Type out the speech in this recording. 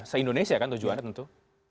se indonesia kan tujuannya tentu